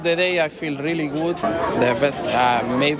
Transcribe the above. karena anda tidak bisa minum